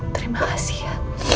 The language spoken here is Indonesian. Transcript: terima kasih ya